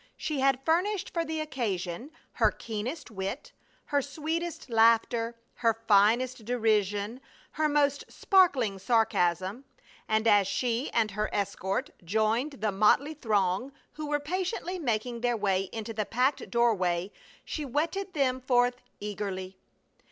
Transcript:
She had furnished for the occasion her keenest wit, her sweetest laughter, her finest derision, her most sparkling sarcasm; and as she and her escort joined the motley throng who were patiently making their way into the packed doorway she whetted them forth eagerly.